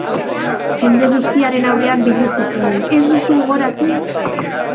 Jende guztiaren aurrean biluzi zinen, ez duzu gogoratzen?